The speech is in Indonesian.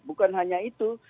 bukan hanya itu